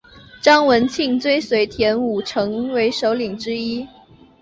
张文庆追随田五成为首领之一。